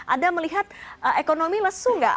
anda melihat ekonomi lesu nggak